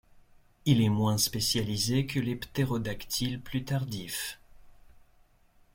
Il est moins spécialisé que les ptérodactyles plus tardifs.